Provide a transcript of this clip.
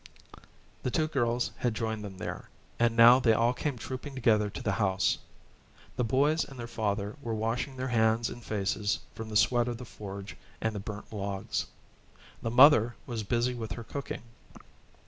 The two girls had joined them there; and now they all came trooping together to the house. The boys and their father were washing their hands and faces from the sweat of the forge and the burnt logs. The mother was busy with her cooking.